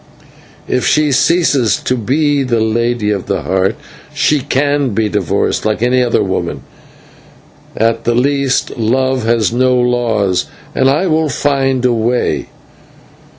"If she ceases to be the Lady of the Heart she can be divorced like any other woman; at the least, love has no laws, and I will find a way."